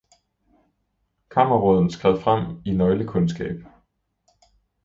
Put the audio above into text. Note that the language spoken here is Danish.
Kammerråden skred frem i nøglekundskab.